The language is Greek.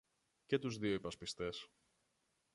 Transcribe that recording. και τους δυο υπασπιστές